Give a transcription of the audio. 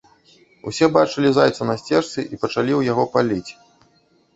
Усе ўбачылі зайца на сцежцы і пачалі ў яго паліць.